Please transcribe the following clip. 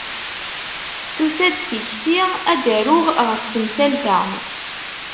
Tusa-d tikti ad d-aruɣ ɣef temsalt-a.